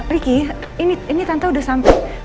ricky ini tante udah sampai